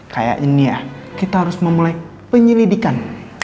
kayak ini ya kita harus memulai penyelidikan